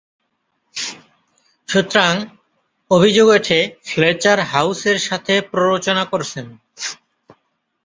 সুতরাং, অভিযোগ ওঠে, ফ্লেচার হাউসের সাথে প্ররোচনা করছেন।